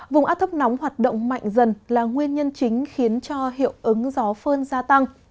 vùng áp thấp nóng hoạt động mạnh dần là nguyên nhân chính khiến cho hiệu ứng gió phơn gia tăng